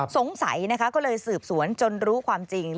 สงสัยนะคะก็เลยสืบสวนจนรู้ความจริง